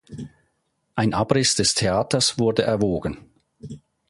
Ein Abriss des Theaters wurde erwogen.